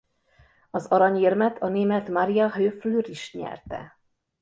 Az aranyérmet a német Maria Höfl-Riesch nyerte.